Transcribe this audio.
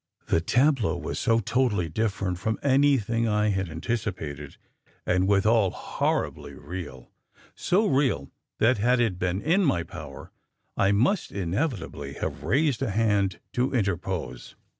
"The tableau was so totally different from anything I had anticipated, and withal horribly real so real that had it been in my power I must inevitably have raised a hand to interpose.